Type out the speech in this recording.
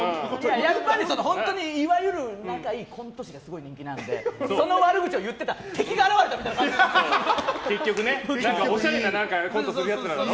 やっぱり本当にいわゆる仲のいいコント師が人気なのでその悪口を言ってた敵が現れたって感じなんですよ。